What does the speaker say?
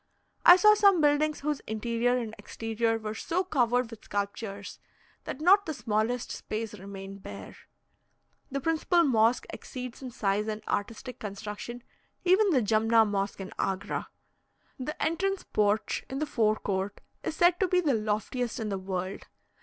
I saw some buildings whose interior and exterior were so covered with sculptures, that not the smallest space remained bare. The principal mosque exceeds in size and artistic construction even the Jumna Mosque in Agra. The entrance porch in the fore court is said to be the loftiest in the world.